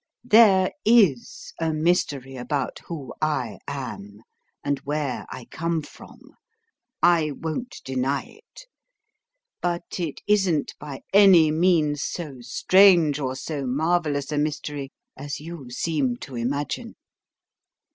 There IS a mystery about who I am, and where I come from; I won't deny it: but it isn't by any means so strange or so marvellous a mystery as you seem to imagine.